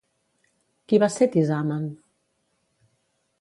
Qui va ser Tisamen?